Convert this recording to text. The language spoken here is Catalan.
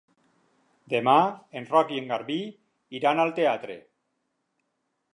Demà en Roc i en Garbí iran al teatre.